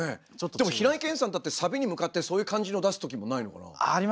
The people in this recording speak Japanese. でも平井堅さんだってサビに向かってそういう感じのを出すときもないのかな？ありますね。